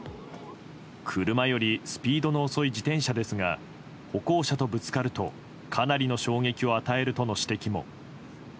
車よりスピードの遅い自転車ですが歩行者とぶつかるとかなりの衝撃を与えるとの指摘も。